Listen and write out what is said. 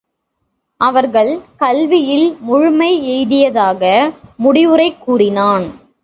அவர்கள் கல்வியில் முழுமை எய்தியதாக முடிவுரை கூறினான்.